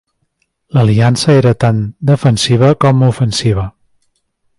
L'aliança era tant defensiva com ofensiva.